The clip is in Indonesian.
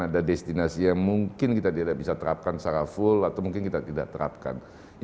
ada destinasi yang mungkin kita tidak bisa terapkan secara full atau mungkin kita tidak terapkan